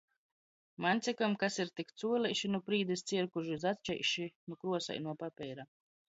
Maņ cikom kas ir tik cuoleiši nu prīdis cierkužu i začeiši nu kruosainuo papeira.